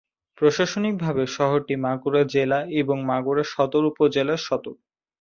প্রশাসনিকভাবে শহরটি মাগুরা জেলা এবং মাগুরা সদর উপজেলার সদর।